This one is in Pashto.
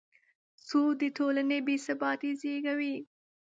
سود د ټولنې بېثباتي زېږوي.